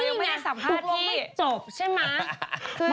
นี่ไงถูกลงไม่จบใช่ไหม